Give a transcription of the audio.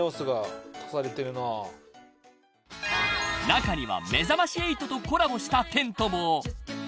［中には『めざまし８』とコラボしたテントも］